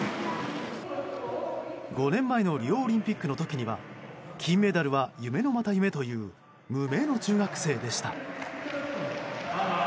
５年前のリオオリンピックの時には金メダルは夢のまた夢という無名の中学生でした。